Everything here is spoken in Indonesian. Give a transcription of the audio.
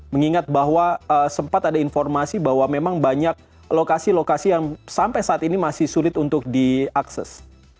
mengingat bahwa sempat ada informasi bahwa memang banyak lokasi lokasi yang sampai saat ini masih sulit untuk diakses